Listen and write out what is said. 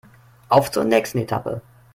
Auf zur nächsten Etappe!